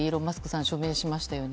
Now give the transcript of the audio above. さんは署名しましたよね。